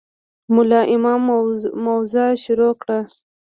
ملا امام موعظه شروع کړه.